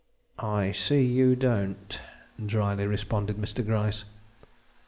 "I see you don't," dryly responded Mr. Gryce.